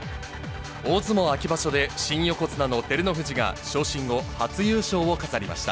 大相撲秋場所で、新横綱の照ノ富士が、昇進後初優勝を飾りました。